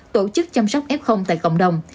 tổ chức chăm sóc f tại cộng đồng